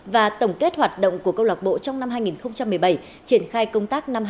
và tổng kết hoạt động của câu lạc bộ trong năm hai nghìn một mươi bảy triển khai công tác năm hai nghìn một mươi chín